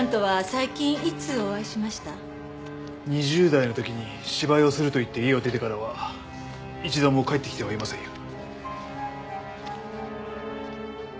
２０代の時に芝居をすると言って家を出てからは一度も帰ってきてはいませんよ。